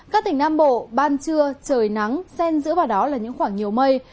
các tỉnh nam bộ ban trưa trời nắng sen giữa vào đó là những khoảng nhiều mây